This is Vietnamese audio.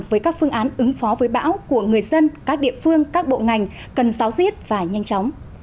với các phương án ứng phó với bão của người dân các địa phương các bộ ngành cần giáo diết và nhanh chóng